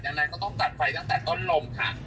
ยังไงก็ต้องตัดไฟตั้งแต่ต้นลมค่ะ